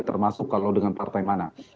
termasuk kalau dengan partai mana